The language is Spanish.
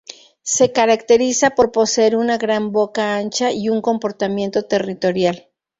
Se caracteriza por poseer una gran boca ancha y un comportamiento territorial.